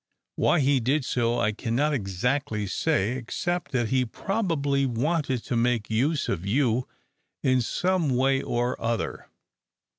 Why he did so I cannot exactly say, except that he probably wanted to make use of you in some way or other."